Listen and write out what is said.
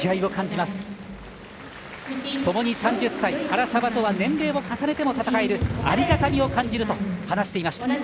原沢とは年齢を重ねても戦えるありがたみを感じると話していました。